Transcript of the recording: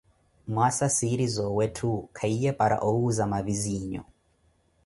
Mwaasa, siiri soowetthu khahiwe para owuuza maviziinyu.